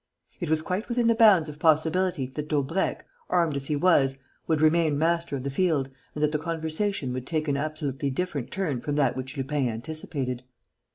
It was quite within the bounds of possibility that Daubrecq, armed as he was, would remain master of the field and that the conversation would take an absolutely different turn from that which Lupin anticipated.